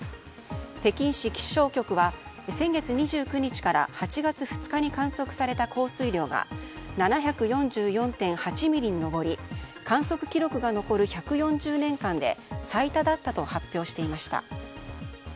北京市気象局は先月２９日から８月２日に観測された降水量が７４４．８ミリに上り観測記録が残る１４０年間で最多だったと発表していました。